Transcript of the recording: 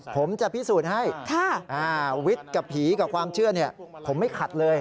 ผมจะพิสูจน์ให้วิทย์กับผีกับความเชื่อผมไม่ขัดเลย